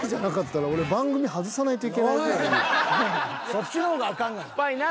そっちの方があかんがな。